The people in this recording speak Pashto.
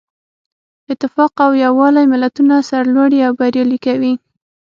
اتفاق او یووالی ملتونه سرلوړي او بریالي کوي.